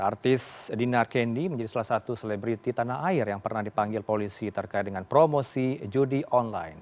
artis dinar kendi menjadi salah satu selebriti tanah air yang pernah dipanggil polisi terkait dengan promosi judi online